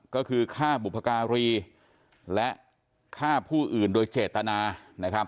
ก็คือฆ่าบุพการีและฆ่าผู้อื่นโดยเจตนานะครับ